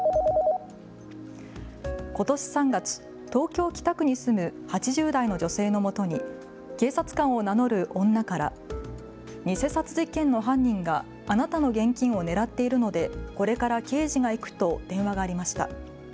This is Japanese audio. ことし３月、東京北区に住む８０代の女性のもとに警察官を名乗る女から偽札事件の犯人があなたの現金を狙っているので、これから刑事が行くと電話がありました。